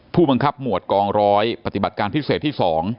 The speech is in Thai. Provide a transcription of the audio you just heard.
ผู้บังคับหมวดกองร้อยปฏิบัติการพิเศษที่๒